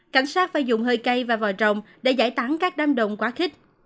cảnh sát phải dùng hơi cây và vòi rồng để giải tán các đám đồng quá khích